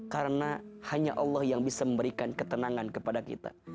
karena hanya allah yang bisa memberikan ketenangan kepada kita